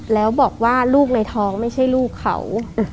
แล้วบอกว่าลูกในท้องไม่ใช่ลูกเขา